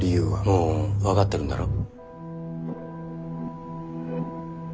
もう分かってるんだろ？